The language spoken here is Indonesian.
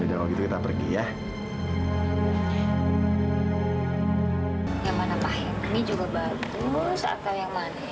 yang mana pak ini juga bagus atau yang mana ya